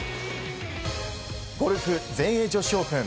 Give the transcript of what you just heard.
ゴルフ全英女子オープン。